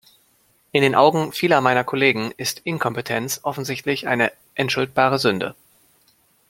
In den Augen vieler meiner Kollegen ist Inkompetenz offensichtlich eine entschuldbare Sünde.